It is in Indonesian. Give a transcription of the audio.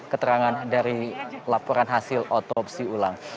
keterangan dari laporan hasil otopsi ulang